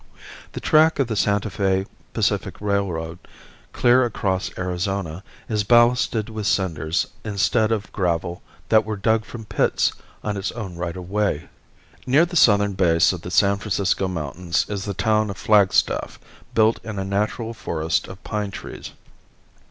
The track of the Santa Fe Pacific railroad, clear across Arizona, is ballasted with cinders instead of gravel that were dug from pits on its own right of way. Near the southern base of the San Francisco mountains is the town of Flagstaff built in a natural forest of pine trees.